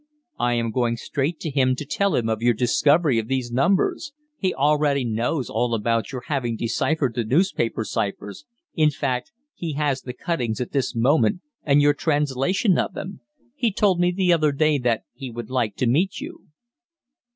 "I am going straight to him to tell him of your discovery of these numbers. He already knows all about your having deciphered the newspaper cyphers; in fact, he has the cuttings at this moment, and your translation of them. He told me the other day that he would like to meet you."